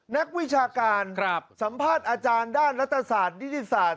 นักวิชาการสัมภาษณ์อาจารย์ด้านรัฐศาสตร์นิติศาสตร์